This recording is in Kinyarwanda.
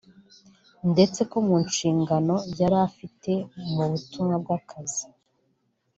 ndetse ko mu nshingano yari afite mu butumwa bw’akazi